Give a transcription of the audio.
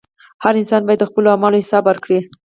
• هر انسان باید د خپلو اعمالو حساب ورکړي.